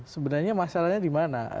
sebenarnya masalahnya di mana